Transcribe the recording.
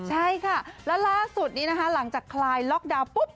ใช่ค่ะแล้วล่าสุดนี้นะคะหลังจากคลายล็อกดาวน์ปุ๊บ